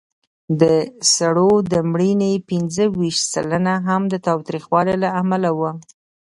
د سړو د مړینې پینځهویشت سلنه هم د تاوتریخوالي له امله وه.